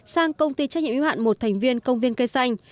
sang công ty trách nhiệm yếu hạn một thành viên công viên cây xanh